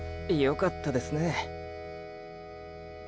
よかったですね。